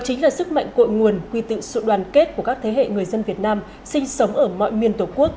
chính là sức mạnh cội nguồn quy tụ sự đoàn kết của các thế hệ người dân việt nam sinh sống ở mọi miền tổ quốc